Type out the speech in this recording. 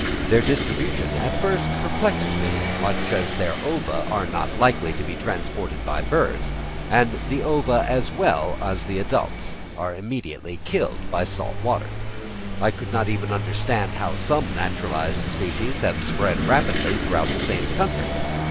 Their distribution at first perplexed me much, as their ova are not likely to be transported by birds; and the ova, as well as the adults, are immediately killed by sea water. I could not even understand how some naturalised species have spread rapidly throughout the same country.